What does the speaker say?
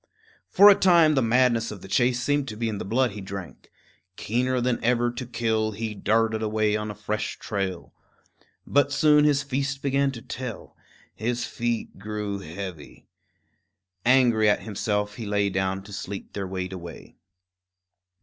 For a time the madness of the chase seemed to be in the blood he drank. Keener than ever to kill, he darted away on a fresh trail. But soon his feast began to tell; his feet grew heavy. Angry at himself, he lay down to sleep their weight away.